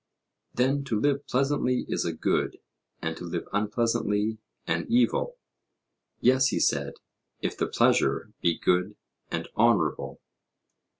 Then to live pleasantly is a good, and to live unpleasantly an evil? Yes, he said, if the pleasure be good and honourable.